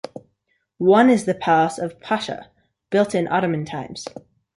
One is the Palace of the Pasha, built in Ottoman times.